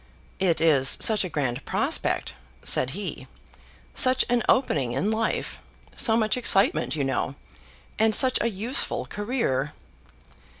"It is such a grand prospect," said he. "Such an opening in life. So much excitement, you know; and such a useful career."